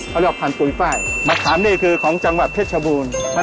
เขาเรียกพันธุ์ปุริฟัติมะถามนี่คือของจังหวัดเมริกา